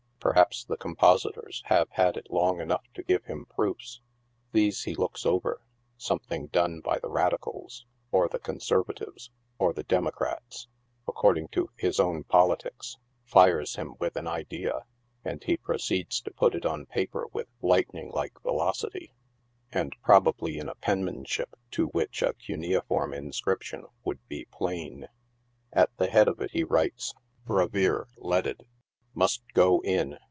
Per haps the compositors have had it long enough to give him proofs. These he looks over ; something done by the Radicals, or the Con servatives, or the Democrats, according to his own politics, fires him with an idea ; and he proceeds to put it on paper with lightning like velocity, and probably in a penmanship to which a cuneiform in scription would be plain. At the head of it he writes " Brevier leaded — Must go in."